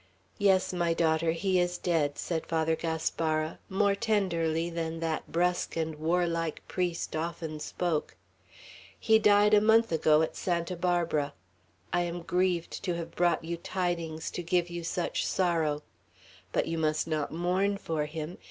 "Yes, my daughter, he is dead," said Father Gaspara, more tenderly than that brusque and warlike priest often spoke. "He died a month ago, at Santa Barbara. I am grieved to have brought you tidings to give you such sorrow. But you must not mourn for him.